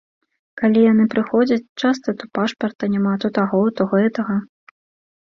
Калі яны прыходзяць, часта то пашпарта няма, то таго, то гэтага.